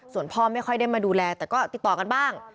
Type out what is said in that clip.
ส่วนพ่อไม่ค่อยได้มาดูแลแต่ก็ติดต่อกันบ้าง